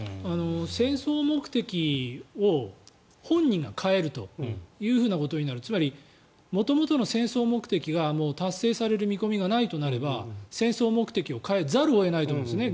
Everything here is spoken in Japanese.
戦争目的を本人が変えるということになるつまり元々の戦争目的が達成される見込みがないとなれば戦争目的を変えざるを得ないと思うんですね。